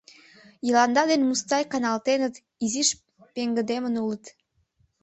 Йыланда ден Мустай каналтеныт, изиш пеҥгыдемын улыт.